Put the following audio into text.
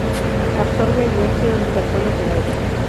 Absorbe el dióxido de carbono del aire.